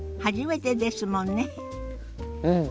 うん。